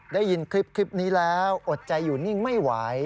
ได้ยินคลิปนี้แล้วอดใจอยู่นิ่งไม่ไหว